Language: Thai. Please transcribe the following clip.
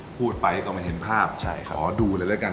พูดไปก็ไม่เห็นภาพขอดูเลยแล้วกัน